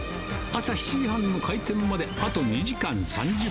朝７時半の開店まであと２時間３０分。